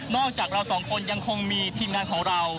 จากเราสองคนยังคงมีทีมงานของเรา